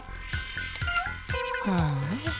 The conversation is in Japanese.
はあ。